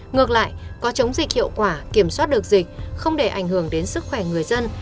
ngược lại có chống dịch hiệu quả kiểm soát được dịch không để ảnh hưởng đến sức khỏe người dân